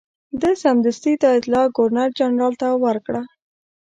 ده سمدستي دا اطلاع ګورنرجنرال ته ورکړه.